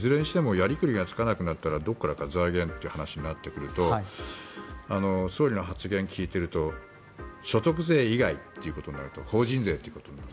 やりくりがつかなくなったらどこからか財源って話になってくると総理の発言を聞いていると所得税以外ということになると法人税ということになる。